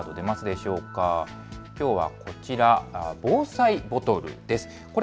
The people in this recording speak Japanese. きょうはこちら、防災ボトルです。